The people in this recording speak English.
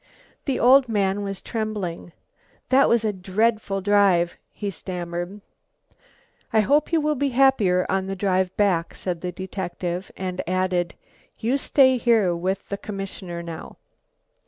The old man was trembling. "That was a dreadful drive!" he stammered. "I hope you will be happier on the drive back," said the detective and added, "You stay here with the commissioner now."